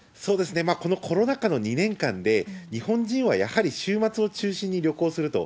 このコロナ禍の２年間で、日本人はやはり週末を中心に旅行すると。